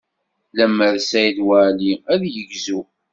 Lemmer d Saɛid Waɛli, ad yegzu.